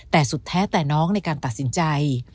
แต่สุดแท้แต่น้องในการตัดสินใจ